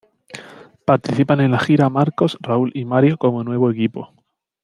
Participan en la gira Marcos, Raul y Mario como nuevo equipo.